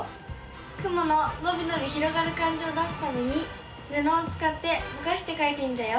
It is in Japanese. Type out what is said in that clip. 雲ののびのび広がる感じを出すためにぬのをつかってぼかしてかいてみたよ。